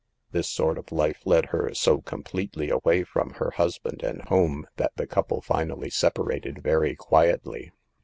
This sort of life led her so completely away from her husband a^d home that the couple finally separated very quietly.